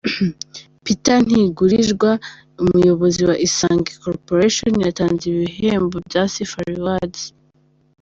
Peter Ntigurirwa umuyobozi wa Isange Corporation yatanze ibi bihembo bya Sifa Rewards.